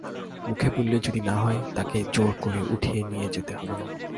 মুখে বললে যদি না-হয়, তাঁকে জোর করে উঠিয়ে নিয়ে যেতে হবে।